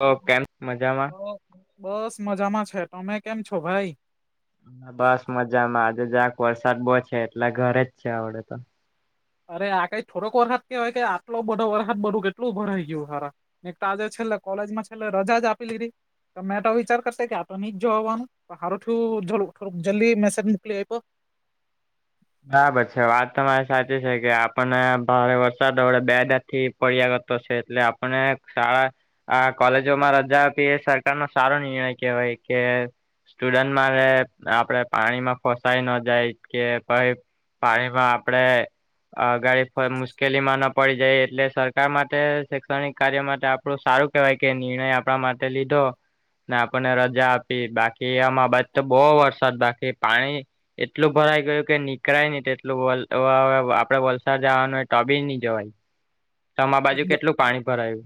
તો કેમ મજામાં? હલો બસ મજામાં છે તમે કેમ છો ભાઈ? બસ મજામાં આજે જક વરસાદ બહ છે એટલે ઘરે જ છે આવડે તો. અરે આ કઈ થોડોક વરખદ કેવાય કે આટલો બો વરખાદ બધું કેટલું ભરાઈ ગયું સારા. એક આજે છેલ્લે કોલેજમાં છેલ્લે રજા જ આપી લીધી, મેં તો વિચાર કરશે કે આ તો નહી જ જો હોવાનું. હારો તું જલ્દી મેસેજ મકલી આયપો. બરાબર છે વાત તમારી સાચી છે કે આપણને ભારે વરસાદડે બે દ થી પડ્યા કરતો છે એટલે આપને શાળા આ કોલેજોમાં રજા આપી એ સરકાર નો સારો નિર્ણય કહેવાય કે સ્ટુડન્ટ મારે આપડે પાણીમાં ફસાઈ ન જાય કે ભાઈ પાણીમાં આપડે અગાડી મુશ્કેલીમાં ન પડી જાય એટલે સરકાર માટે શૈક્ષણિક કાર્ય માટે આપડ સારું કેવાય કે નિર્ણય આપણા માટે લીધો. ને આપણને રજા આપી બાકી એમાં બાદ તો બહુ વરસાદ બાકી પાણી એટલો ભરાઈ ગયો કે નીકળ ને તેટલું આપડે વલસાડ જવાનું હોય ટોબી નની જવાય. તમા આ બાજુ કેટલું પાણી ભરાયું?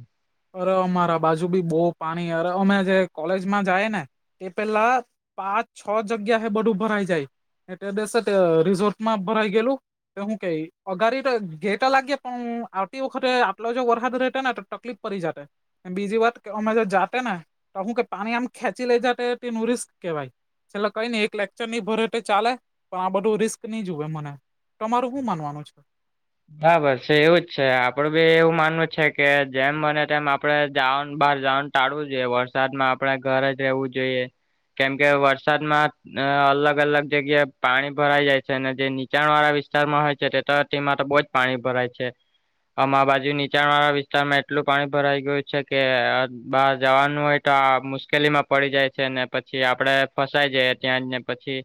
અરે અમારા બાજુ બી બહુ પાણી અરે અમે જે કોલેજમાં જાય ને. તે પેલા પાંચ છ જગ્યા હ બધું ભરાઈ જાય. એટલે બેસે રિસોર્ટ માં ભરાઈ ગયેલું. તો હું ક અઘાડી તો ગેટ લાગી પણ આવતી વખતે આપલો જો વરહદ રહેતા ને તકલીફ પરી જાતે બીજી વાત કે અમે જો જાતે ને તો હું કે પાણી આમ ખેંચી લઈ જા તેનું રિસ્ક કેવાય છેલ્લે કઈ નઈ એક લેક્ચર નની ભરે ચાલે પણ આ બધું રિસ્ક નહી જુવે મને તમારું શું માનવાનું છે. બરાબર છે એવું જ છે આપડે બી એવું માનવું છે કે જેમ બને તેમ આપડે જવા બહાર જવાનું ટાળવું જોઈએ વરસાદમાં આપણેે ઘર જ રહેવું જોઈએ કેમકે વરસાદમાં અલગ અલગ જગ્યા પાણી ભરાઈ જાય છે અનેને જે નીચાણ વાળા વિસ્તારમાં હોય છે તે તો તેમાં તો બહુ જ પાણી ભરાય છે. આમા બાજુ નીચાણ વાળા વિસ્તારમાં એટલું પાણી ભરાઈ ગયું છે કે બહાર જવાનું હોય મુશ્કેલી માં પડી જાય છે ને પછી આપડે ફસાય જઈ ત્યાં જ ને પછી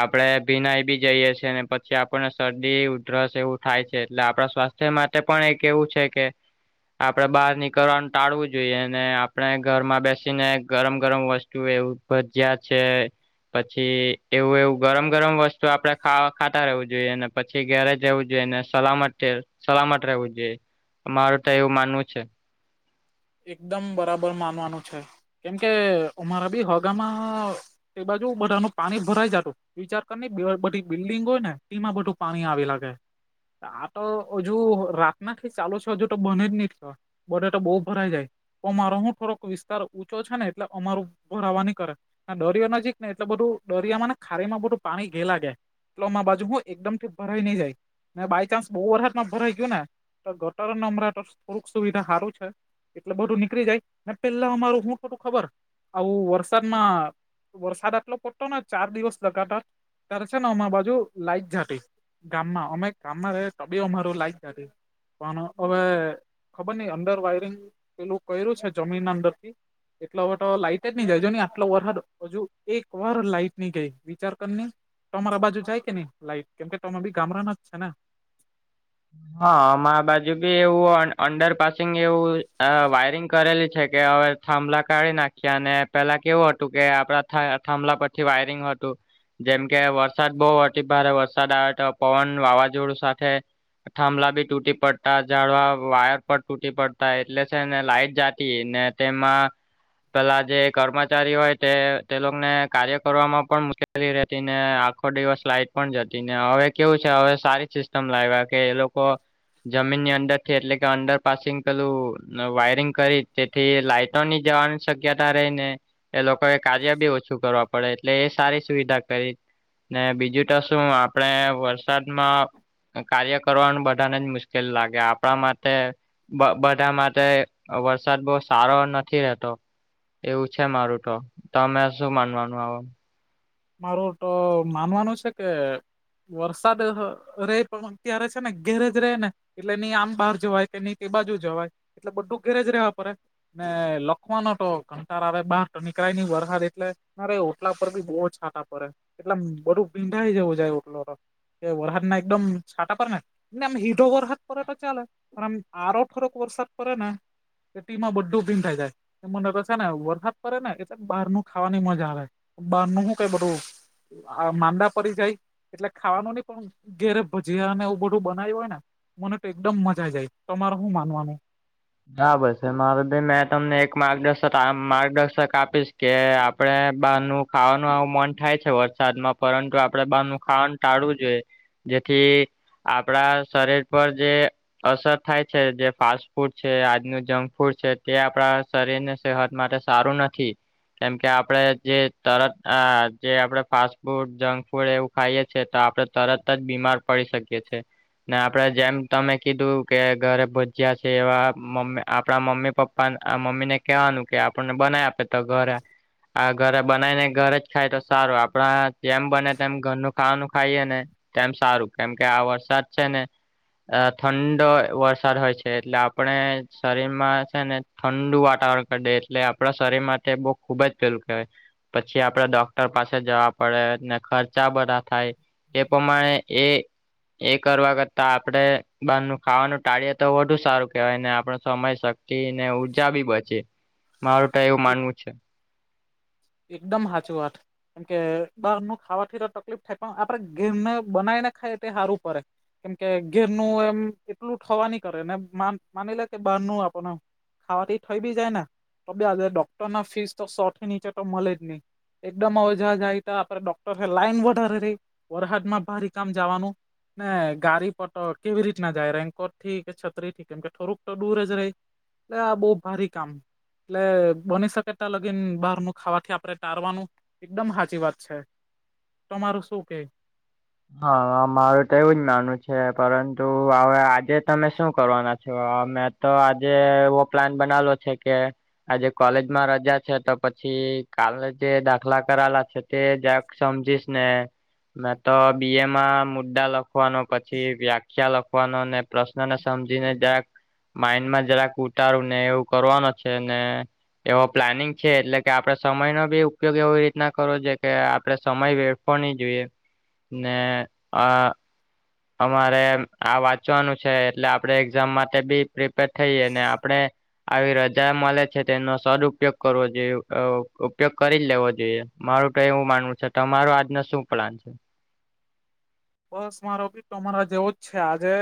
આપડે ભીનાઈ બી જઈએ છીએ ને પછી આપણને શરદી ઉધરસ એવું થાય છે. એટલે આપણા સ્વાસ્થ્ય માટે પણ એક એવું છે કે આપડે બહાર નીકળવાનું ટાળવું જોઈએ આપણે ઘરમાં બેસીને ગરમ ગરમ વસ્તુ એવું ભજ્યા છે. પછી એવું એવું ગરમ ગરમ વસ્તુ આપડેા ખાતા રહેવું જોઈએ ને પછી ઘેરે જવું જોઈએ ને સલામત સલામત રહેવું જોઈએ મારું તો એવું માનવું છે. એકદમ બરાબર માનવાનું છે કેમકે અમારા બી હોગામાં એ બાજુ બધા ન પાણી ભરાઈ જતું વિચાર કરી બધી બિલ્ડિંગ હોય ને તેમાં બધું પાણી આવી લાગે આ તો હજુ રાત નાથીી ચાલુ છે હજુ તો બને જ નહી બને તો બહ ભરાઈ જાય તોમારો હું થોડોક વિસ્તાર ઊંચો છે ને એટલે અમારું ભરાવા નહી કરે દરિયો નજીક ને એટલે બધું દરિયામાં ને ખારી માં બધું પાણી ઘેલાગે એલો માં બાજુ હું એકદમ થી ભરાઈ નહી જાય મેં બાય ચાન્સ બહુ વરતમાં ભરાઈ ગયું ને તો ગટર ને અમરાં તો થોડુંક સુવિધા હારું છે. એટલે બધું નીકળી જાય પેલા અમારું શું થોડું ખબર આવું વરસાદમાં વરસાદ આટલો પડતો ને ચાર દિવસ લગાતા જ ત્યારે છે ને અમા બાજુ લાઈટ જાતી ગામમાં અમે ગામમાં ર ત બી અમારું લાઈક જ પણ હવે ખબર નઈ અંડર વાયરિંગ પેલું કર્યું છે જમીન અંદર થી એટલા વર તો લાઈટ જ નહી જાયજ નહી આટલો વરસાદ હજુ એક વાર લાઈટ નહી ગાય વિચાર કરી ની તમારા બાજુ જાય કે નઈ લાઈટ કેમ કે તમે બી ગામડાના જ છે ને? હા મારા બાજુ બી એવું અંડરપાસિંગ એવું વાયરિંગ કરેલી છે કે હવે થાંભલા કાઢી નાખ્યા અને પેલા કેવું હતું કે આપડા થાંભલા પછી વાયરિંગ હતું જેમ કે વરસાદ બહુ અતિભારે વરસાદ આવે તો પવન વાવાઝોડું સાથે થાંભલા બી તૂટી પડતા ઝડવા વાયર પર તૂટી પડતા એટલે છે ને લાઇટ જતી ને તેમાં પેલા જે કર્મચારી હોય તે તેલોને કાર્ય કરવામાં પણ કરી રહેતી ને આખો દિવસ લાઈટ પણ જતી ને હવે કેવું છે હવે સારી સિસ્ટમ લાવ્યા કે એ લોકો ક જમીનની અંદર થી એટલે કે અંડરપાસિંગ પેલું વાયરિંગ કરી તેથી લાઈટ ની જવાની શક્યતા રહી ને એ લોકોએ કાર્ય બી ઓછું કરવા પડે એટલે એ સારી સુવિધા કરી ને બીજું તો શું આપણે વરસાદમાં કાર્ય કરવાનું બધાને જ મુશ્કેલ લાગે આપણા માટે બધા માટે વરસાદ બહ સારો નથી રહેતો એવું છે મારું તો તમે શું માનવાનું આવો મારું તો માનવાનું છે કે વરસાદ રે પણ ક્યારે છે ને ઘેરેજ ર રહે ને એટલે નહી આમ બહાર જવાય કે નહી તે બાજુ જવાય એટલે બધું ઘેરે જ રહેેવા પડે ને લખવાનો તો કંટાર આવે બાર નીકળય ન વરસાદ એટલે અરે ઓટલા પર બી બહુ છાટા પડે એટલે બધું ભીંડા જવું જાય ઓટલો એ ઓઢારને એકદમ છાંટ પરડ ને આમ હીધો વરસાદ પડે તો ચાલે પણ આમ આરો થોરોક વરસાદ પડે ને તો ટી માં બધું ટીમ થાય જાય. એ મને તો છે ને વરસાદ પડે ને એ બહાર ન ખાવાની મજા આવે બહાર નું શું કઈ બધુ આ માંદા પડી જાય એટલે ખાવાનું નહ પણ ઘેરે ભજીયા ને એવું બધું બનાવ્યું હોય ને મને તો એકદમ મજા આઈ જાય, તમારે શું માનવાનુ બરાબર છે મારે ભાઈ મે તમને એક માર્ગદર્શક માર્ગદર્શક આપીશ કે આપણે બહાર નનું ખાવાનું આવું મન થાય છે વરસાદમાં પરંતુ આપડે બહારનુ ખાવાનું ટાળવું જોઈએ. જેથી આપડા શરીર પર જે અસર થાય છે જે ફાસ્ટ ફૂડ છે આજનુ જક ફૂડ છે, તે આપણા શરીરને સેહત માટે સારું નથી. કેમકે આપડે જે તરત આ જે આપડે ફાસ્ટ ફૂડ જક ફૂડ એવુ ખાઈએ છે તો આપડણે તરત જ બીમાર પડી શકીએ છીએ. ને આપડે જેમ તમે કીધું કે ઘરે ભજ્યા છે, એવા મમ્ આપણા મમ્મી પપ્પા મમ્મી ને કહેવાનું કે આપણને બનાય આપે તો ઘરે આ ઘરે બનાય ને ઘરે જ ખાય તો સરુ આપણા જેમ બને તેમ ઘરનું ખાવાનું ખાઈએ ને તેમ સારુ કેમ કે આ વરસાદ છે ને ઠંડ વરસાદ હોય છે, એટલે આપણે શરીરમાં છેને, ઠંડુ વાતાવરણ કરી દેએ એટલે આપણા શરીર માટે બહુ ખુબ જ પેલું કહેવાય પછી આપડે ડોક્ટર પાસે જવા પડેને ખર્ચા બધા થાય એ પ્રમાણે એ એ કરવા કરતા આપડે બાર નનું ખાવાનું ટાળીએ તો વધુ સારુ કેય ને આપડ સમય શક્તિ ને ઉઊર્જા બી બચે મારું તો એવું માનવું છે. એકદમ હાચ વાટ કેમ કે બહાર નું ખાવાથી તો તકલીફ થાય પણ આપડે ઘીરને બનાવી ને ખાય તે સારુ પડે કેમ કે ઘેરનુ એમ એટલુ થવા નની કરે ને માની લે કે બહાર ન આપણ ખાવાથી થઈ બી જાય ને તો આજે ડોક્ટર ના ફીસ તો સોથી નીચે તો મળે જ, નહી એકદમ અજાજ આવી ત આપે ડોક્ટર લાઈન વધારે રહી વરહદમાં ભારી કામ જવાનુ ને ગાડી પટ કેવી રીત ના જાય રકો ક છત્રી ઠી કેમ કે થોડુંક તો દૂર જ રહી એટ આ બહુ ભારી કામ એટલે બની શકે ત લગીન બહાર મુૂકી ખાવાથી આપડણે તારવાનું એકદમ સાચી વાત છે, તમારું શું કે હા મારું તો એવું જ માનું છે, પરતુ હવે આજે તમે શું કરવાના છો અમે તો આજે એવો પ્લાન બનાવલો છે, કે આજે કોલેજમાં રજા છે, તો પછી કાલે જે દાખલા કરાયેલા છે. તે જક સમજીશ ને મેં તો બી એમાં મુદ્દા લખવાનો પછી વ્યાખ્યા લખવા વાનો ને પ્રશ્નને સમજીને જક માઈન્ડમાં જરાક ઉતારુ ને એવું કરવાનું છેને. એવો પ્લાનિંગ છે એટલે કે આપડે સમય ન બી ઉપયોગ એવી રીતના કરો જે કે આપડે સમય વ હોણી જોઈએ. ને આ અમારે આ વાંચવાનું છે, એટલે આપણે એક્ઝામ માટે બી પ્રિપેર થઈએ ને આપણે આવી રજા મળે છે, તે એનો સદઉપયોગ કરવો જોઈએ ઉપયોગ કરી જ લેવો જોઈએ. મારુ તો એવું માનવું છે, તમાર આજનો શું પ્લાન છે. બસ મારો ભી તોરા જેવો જ છે, આજે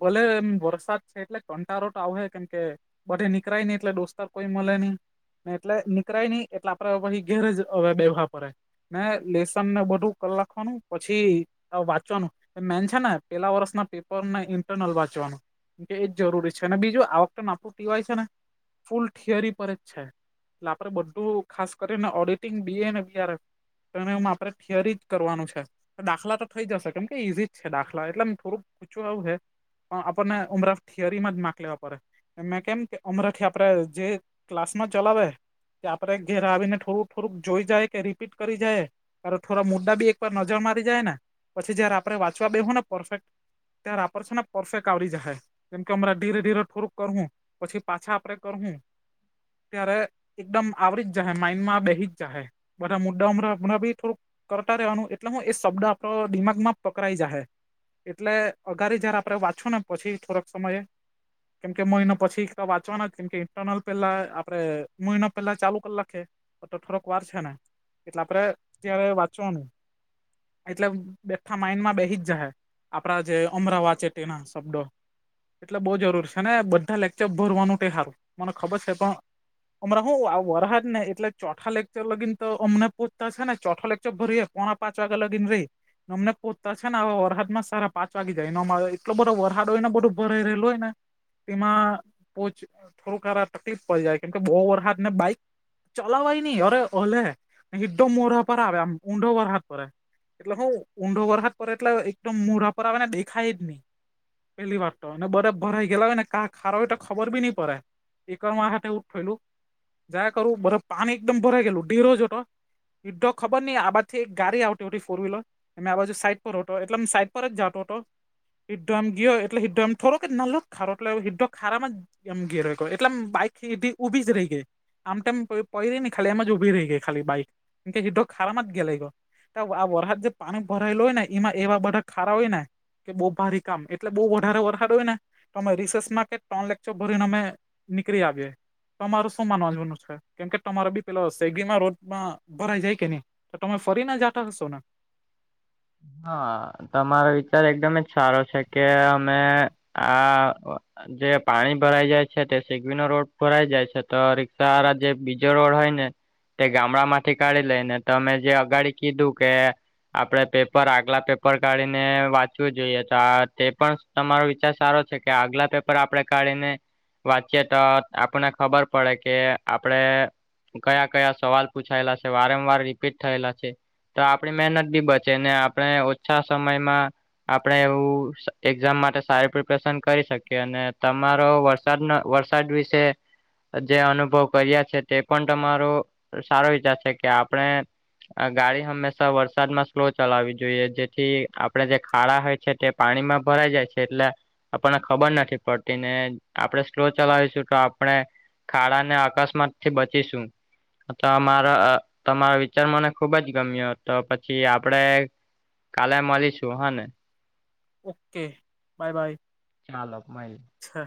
ભલે એમ વરસાદ છે, એટલે કંટારોટ આવ કેમ કે બધી નીકરાય નઈ એટલે દોસ્તાર કોઈ મળે નહી એટલે નીકરાય નહિ એટલે આપે પછી ઘેર જ હવે બે ભા પડે ને લેસન ને બધુક લખવાનું પછી વાંચવાનું મેન છેને, પેલા વર્ષના પેપર ને ઇન્ટરનલ વાંચવાનુ કે એ જ જરૂરી છે અને બીજું આ વખતે નાડું ટીવાય છે ને ફૂલ થિયરી પર જ છે. એટલે આપડે બધું ખાસ કરીને ઓડિટિંગ બી એ અનેને બીઆર તો એમાં આપડે થિયરી જ કરવાનું છે તો દાખલા તો થઈ જશે કેમ કે ઈઝીજ છે દાખલા એટલે આમ થોડું પૂછું આવું હે પણ આપણને ઉમરાફ થિયરીમાં જ માક લેવા પડે. મેં કેમ કે અમરાથી આપડે જે ક્લાસમાં ચલાવે. કે આપડે ઘેર આવીને થોડુંક થોડું જોઈ જાય કે રિપીટ કરી જાય. અ થોડા મુદ્દા બી એકવાર નજર મારી જાય ને, પછી જયારે આપણે વાંચવા બેહુ ને પરફેક્ટ ત્યાં રે આપર છો ને પરફેક્ટ આવરી જાહે. કેમ કે હમણાં ધીરે ધીરે થોડુંક કરવું પછી પાછા આપડે કરવું. ત્યારે એકદમ આવરી જ જાય, માઈન્ડમાં બેહી જ જાહે. બધા મુદ્દા હરાં હણાં ભી થોડુંક કરતા રહેવાનું એટલે હું એ શબ્દ આપ તો દિમાગમાં પકરાઈ જાહે. એટલે અગારી જયારે આપડે વાંશું ને પછી થોડાક સમયે કેમ કે મહિના પછી વાંચવાના કેમ કે ઇન્ટરનલ પેલા આપડે મહિના પેલા ચાલુ કર લાખે. તો થોડોક વાર છે ને એટલે આપડે ત્યારે વાંચવનું. એટલે બેઠા માઇન્ડમાં બેહી જ જાહે આપડા જે અમરા વાચે તેના શબ્દો એટલે બહુ જરૂરી છે ને બધા લેક્ચર ભરવાનું તે હારું મને ખબર છે પણ અમરાં હું વરહાજ ને એટલે ચોથા લેકચર લગીને તો અમને પૂછતા છે ને ચોથા લેકચર ભરીએ. પોણા પાંચ વાગા લગીન રે. અમને પોતા છે ને આવા વરહદમાં સાર પાંચ વાગી જાયને એટલો બધો વરહડ હોય ને બધું ભરાઈ રહેલું હોય ને તેમાં પો થોડુંક હારા તકલીફ પડી જાય. કેમ કે વરહદ ને બાઈક ચલાવાય ન અરે હલે એકદમ મોઢા પર આવે ઊંધો વરસાદ પડે. એટલે હું ઊંડો વરસાદ પર એટલે એકદમ મુઢા પર આવે ને દેખાય જ ની પેલી વાત તો અને બરે ભરાઈ ગેલા હોય ને ક ખારા હોય તો ખબર બી નઈ પડે. એકવાર હાથે એવું જ થયલું જયા કરું બ પાણી એકદમ ભરાઈ ગયલું ડેરોજ હતો. ઈ ધો ખબર નહ આ બાજથી એક ગાડી આવ ફોર વ્હીલર અમે આ બાજુ સાઈડ પર હતો એટલે સાઈડ પર જ જાતો હતો. હિધ એમ ગયો એટલે હિધ એમ થોક નાલ ખારોટ હિધો ખારામાં. એમ ઘેર એટલેમ બાઈક ઉભી જ રહી ગઈ. આમ તોમ પ રહી ને ખાલી એમ જ ઉભી રહી ગઈ ખાલી બાઈક. કેમ કે હીટો ખાડામાં જ ધેલાઈ ગયો. આ વરસાદ જે પાણી ભરાયેલું હોય ને એમાં એવા બધા ખારા હોય ને. કે બહુ ભારી કામ. એટલે બહ વધારે વરસાડ હોય ને તોમે રિસર્ચમાં કે ત્ર લેક્ચર ભરીને અમે નીકરી આવીએ. તમાર શુંમામાં વાંંધવાનું છે? કેમ કે તમારે બી પેલા સેગીમાં રોડમાં ભરાઈ જાય કે નહી? તો તમે ફરી ના જાતા હશો ને? હા તમારો વિચાર એકદમ જ સારો છે કે અમે આ જે પાણી ભરાઈ જાય છે તે સીગવીનો રોડ ભરાઈ જાય છે તો રિક્ષા વાળા જે બીજો રોડ હોય ને. તે ગામડામાંથી કાઢી લઈને તમે જે અગાડી કીધું કે આપણેે પેપ પર આગલા પેપર કાઢીને વાંચવું જોઈએ. તો આ તે પણ તમારો વિચાર સારો છે કે આગલા પેપ પર આપણે કાઢીને વાંચીએ તો આપને ખબર પડે કે આપણેે કયા કયા સવાલ પૂછાયેલા છે, વારંવાર રિપીટ થયેલા છે. તો આપણી મહેનત બી બચે ને આપણે ઓછા સમયમાં આપણે એવું એક્ઝામ માટે સારી પ્રિપરેશન કરી શકીએ અને તમારો વર સાદના વરસાદ વિશે. જે અનુભવ કર્યા છે તે પણ તમારો સારો વિચાર છે કે આપણે આ ગાડી હંમેશા વરસાદ માં સ્લો ચલાવી જોઈએ. જેથી આપણે જે ખાડા હોય છે તે પાણીમાં ભરાઈ જાય છે. એટલે આપણને ખબર નથી પડતી ને આપણે સ્લો ચલાવીશું તો આપણે ખાડાને અકસ્માતથી બચીશું. તો મારો તમારા વિચાર મને ખુબ જ ગમ્યો તો પછી આપડે કાલે મળીશું હા ને ઓકે બાય બાય ચાલો બાય છે.